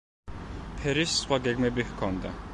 ფერის სხვა გეგმები ჰქონდა.